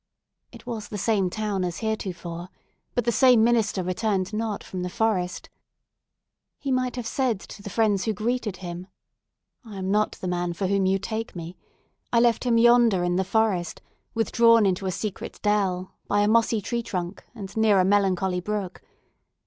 It was the same town as heretofore, but the same minister returned not from the forest. He might have said to the friends who greeted him—"I am not the man for whom you take me! I left him yonder in the forest, withdrawn into a secret dell, by a mossy tree trunk, and near a melancholy brook!